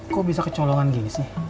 kok bisa kecolongan gini sih